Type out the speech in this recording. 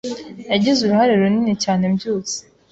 yagize uruhare runini cyane mbyutse